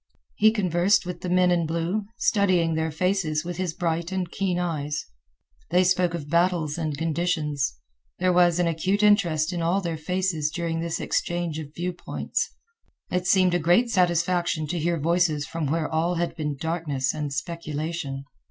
He conversed with the men in blue, studying their faces with his bright and keen eyes. They spoke of battles and conditions. There was an acute interest in all their faces during this exchange of view points. It seemed a great satisfaction to hear voices from where all had been darkness and speculation.